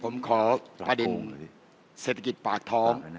ผมขอประเด็นเศรษฐกิจปากท้อง